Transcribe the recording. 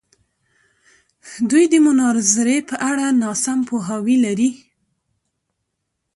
دوی د مناظرې په اړه ناسم پوهاوی لري.